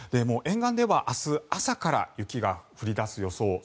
沿岸では明日朝から雪が降り出す予想。